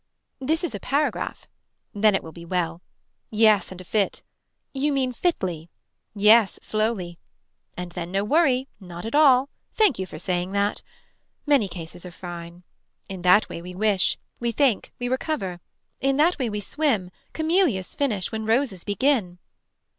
This is a paragraph. Then it will be well Yes and a fit. You mean fitly. Yes slowly. And then no worry Not at all Thank you for saying that. Many cases are fine. In that way we wish. We think. We recover. In that way we swim. Camelias finish when roses begin.